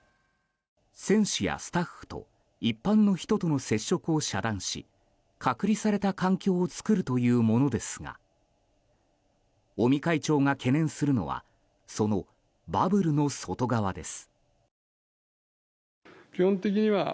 選手やスタッフと一般の人との接触を遮断し隔離された環境の作るというものですが尾身会長が懸念するのはそのバブルの外側です。